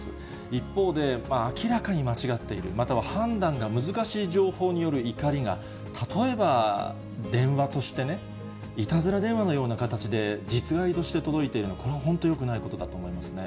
一方で、明らかに間違っている、または判断が難しい情報による怒りが例えば電話としてね、いたずら電話のような形で、実害として届いている、これ、本当によくないことだと思いますね。